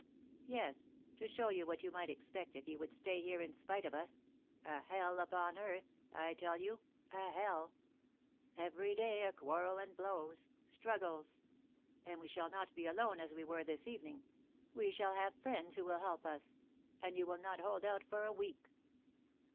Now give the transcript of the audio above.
"Yes, to show you what you might expect if you would stay here in spite of us, a hell upon earth, I tell you, a hell! Every day a quarrel and blows struggles. And we shall not be alone as we were this, evening; we shall have friends who will help us. And you will not hold out for a week."